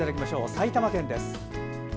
埼玉県です。